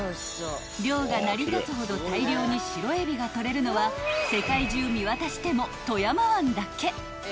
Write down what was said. ［漁が成り立つほど大漁に白えびが取れるのは世界中見渡しても富山湾だけ］